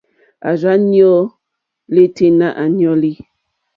À rzá ɲɔ̄ yêténá à ɲɔ́lì.